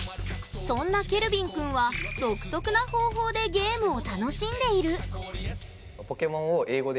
そんなけるびんくんは独特な方法でゲームを楽しんでいるん？